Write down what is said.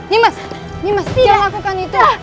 nimas jangan lakukan itu